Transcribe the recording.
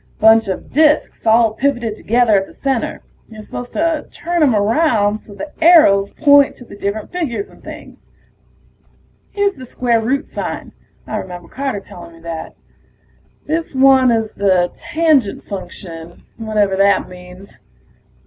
Bunch of disks all pivoted together at the center; you're supposed to turn 'em around so the arrows point to the different figures and things. Here's the square root sign, I remember Carter telling me that. This one is the Tangent Function, whatever that means.